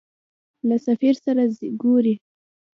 له سفیر سره ګورې.